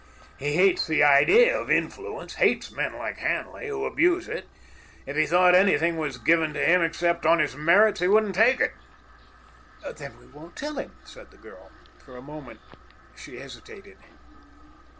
He hates the idea of influence, hates men like Hanley, who abuse it. If he thought anything was given to him except on his merits, he wouldn't take it." "Then we won't tell him," said the girl. For a moment she hesitated.